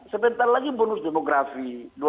sebentar lagi bonus demografi dua ribu tiga puluh lima